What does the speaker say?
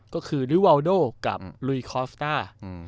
ก็คือดิวาลโดและลุยคอสตาร์